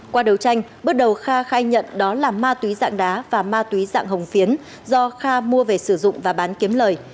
qua đấu tranh bước đầu kha khai nhận đó là ma túy dạng đá và ma túy dạng hồng phiến do kha mua về sử dụng và bán kiếm lời